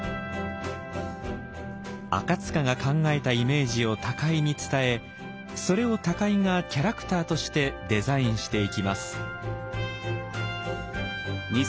赤が考えたイメージを高井に伝えそれを高井がキャラクターとしてデザインしていきます。